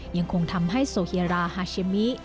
ยังคงทำให้โซเฮียราฮาเชมิ